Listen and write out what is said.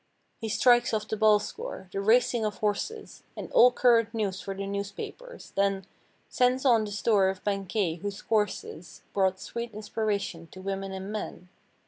He strikes off the ball score, the racings of horses. And all current news for the newspapers. Then Sends on the story of banquet, whose courses Brought sweet inspiration to women and men.